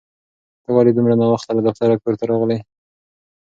ته ولې دومره ناوخته له دفتره کور ته راغلې؟